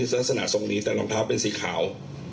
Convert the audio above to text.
ลักษณะทรงนี้แต่รองเท้าเป็นสีขาว